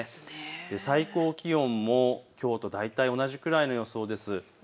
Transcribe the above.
最高気温もきょうと大体同じくらいの予想です。